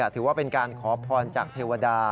ถือว่าเป็นการขอพรจากเทวดา